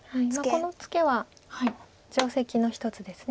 このツケは定石の一つです。